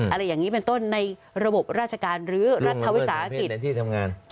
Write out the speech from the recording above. อะไรอย่างนี้เป็นต้นในระบบราชการหรือรัฐวิสาหกิจ